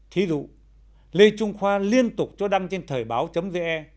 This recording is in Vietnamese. thí dụ lê trung khoa liên tục cho đăng trên thời báo ge